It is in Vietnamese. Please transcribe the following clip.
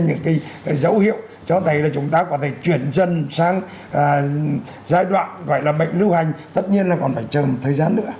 những cái dấu hiệu cho thấy là chúng ta có thể chuyển dần sang giai đoạn gọi là bệnh lưu hành tất nhiên là còn phải chờ một thời gian nữa